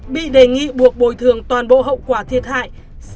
bị đề nghị buộc bồi thường toàn bộ hậu quả thiệt hại